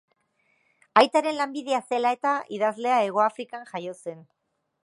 Aitaren lanbidea zela-eta, idazlea Hegoafrikan jaio zen.